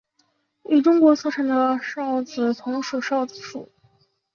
与中国所产的韶子同属韶子属。